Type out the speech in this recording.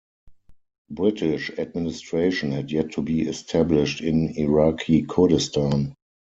British administration had yet to be established in Iraqi Kurdistan.